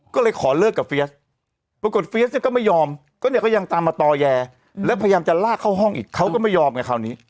ก็เลยขอเลิกกับเฟียสปรากฏเฟียสเนี่ยก็ไม่ยอมก็เนี่ยก็ยังตามมาต่อแยแล้วพยายามจะลากเข้าห้องอีกเขาก็ไม่ยอมไงคราวนี้